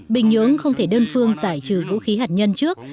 bình nhưỡng không thể đơn phương giải trừ vũ khí hạt nhân trước